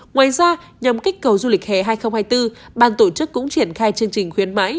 ngoài ra nhằm kích cầu du lịch hè hai nghìn hai mươi bốn ban tổ chức cũng triển khai chương trình khuyến mãi